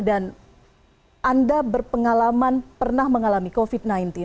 dan anda berpengalaman pernah mengalami covid sembilan belas